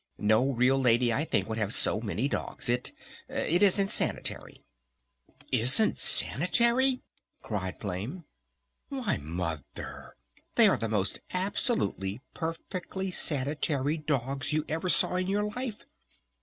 No real lady I think would have so many dogs. It It isn't sanitary." "Isn't sanitary?" cried Flame. "Why Mother, they are the most absolutely perfectly sanitary dogs you ever saw in your life!"